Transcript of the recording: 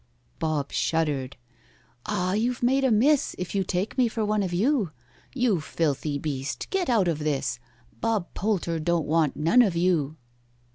BOB shuddered: "Ah, you've made a miss If you take me for one of you: You filthy beast, get out of this— BOB POLTER don't wan't none of you."